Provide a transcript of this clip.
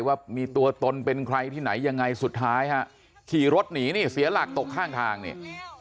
ว่ามีตัวตนเป็นใครที่ไหนยังไงสุดท้ายฮะขี่รถหนีนี่เสียหลักตกข้างทางเนี่ย